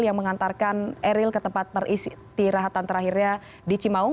yang mengantarkan eril ke tempat peristirahatan terakhirnya di cimaung